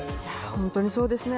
本当にそうですね。